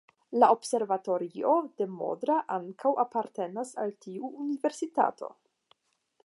La observatorio de Modra ankaŭ apartenas al tiu universitato.